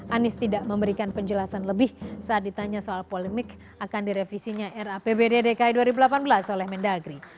anies tidak memberikan penjelasan lebih saat ditanya soal polemik akan direvisinya rapbd dki dua ribu delapan belas oleh mendagri